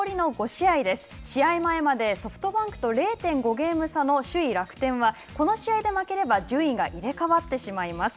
試合前までソフトバンクと０．５ゲーム差の首位楽天はこの試合で負ければ順位が入れ代わってしまいます。